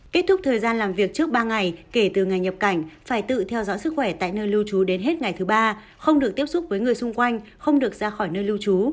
kết thúc thời gian làm việc trước ba ngày kể từ ngày nhập cảnh phải tự theo dõi sức khỏe tại nơi lưu trú đến hết ngày thứ ba không được tiếp xúc với người xung quanh không được ra khỏi nơi lưu trú